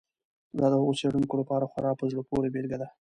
دا د هغو څېړونکو لپاره خورا په زړه پورې بېلګه ده.